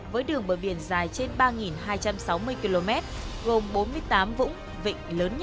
với đường bờ biển dài trên ba hai trăm sáu mươi km gồm bốn mươi tám vũng vịnh lớn